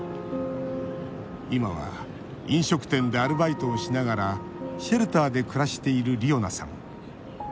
今は飲食店でアルバイトをしながらシェルターで暮らしているりおなさん。